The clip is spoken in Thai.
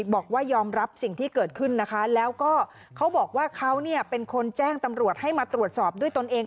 บอกว่ายอมรับสิ่งที่เกิดขึ้นนะคะแล้วก็เขาบอกว่าเขาเป็นคนแจ้งตำรวจให้มาตรวจสอบด้วยตนเอง